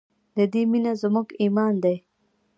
د دې مینه زموږ ایمان دی